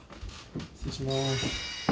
失礼します。